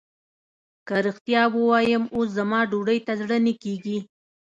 که رښتيا ووايم اوس زما ډوډۍ ته زړه نه کېږي.